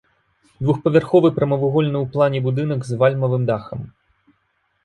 Двухпавярховы прамавугольны ў плане будынак з вальмавым дахам.